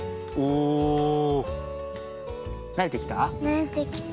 なれてきた？